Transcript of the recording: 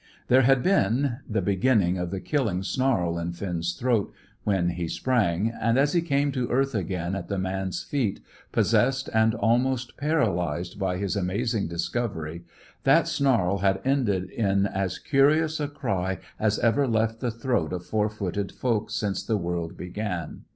There had been the beginning of the killing snarl in Finn's throat when he sprang, and as he came to earth again at the man's feet, possessed and almost paralysed by his amazing discovery, that snarl had ended in as curious a cry as ever left the throat of four footed folk since the world began.